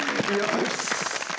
よし！